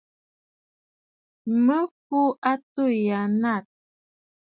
Mǝ̀ fùu àtû yâ natt.